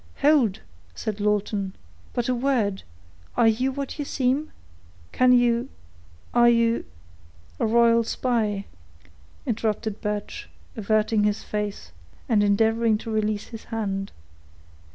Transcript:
"Hold!" said Lawton. "But a word—are you what you seem?—can you—are you—" "A royal spy," interrupted Birch, averting his face, and endeavoring to release his hand.